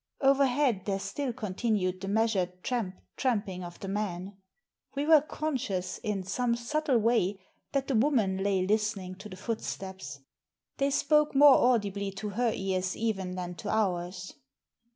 Overhead there still continued the measured tramp, tramping of the man. We were conscious, in some subtle way, that the woman lay listening to the footsteps. They spoke more audibly to her ears even than to ours.